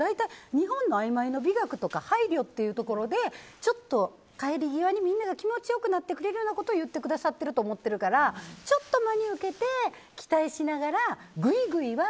日本の曖昧の美学とか配慮っていうところでちょっと帰り際にみんなが気持ちよくなってくれることを言ってくださってると思ってるからちょっと真に受けて期待しながら、ぐいぐいは。